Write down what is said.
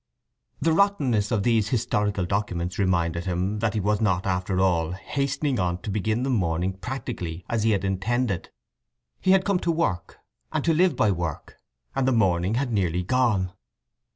The rottenness of these historical documents reminded him that he was not, after all, hastening on to begin the morning practically as he had intended. He had come to work, and to live by work, and the morning had nearly gone.